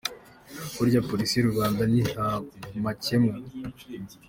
Burya Polisi y’u Rwanda ni ntamakemwa.